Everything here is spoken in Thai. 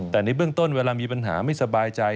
แต่ในเบื้องต้นเวลามีปัญหาไม่สบายใจ